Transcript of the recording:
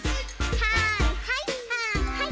はいはいはいはい。